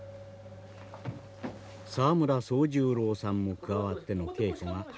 沢村宗十郎さんも加わっての稽古が始まりました。